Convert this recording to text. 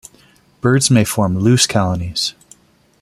Birds may form loose colonies.